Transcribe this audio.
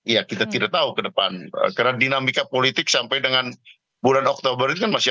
ya kita tidak tahu ke depan karena dinamika politik sampai dengan bulan oktober itu kan masih